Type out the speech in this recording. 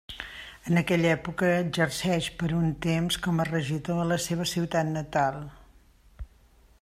En aquella època exerceix per un temps com a regidor a la seva ciutat natal.